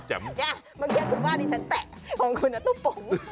เจี๊ยบเมื่อก่อนกุ้งผมว่าตัวนี้ฉันแตะคุณอ่ะตุบป๋ง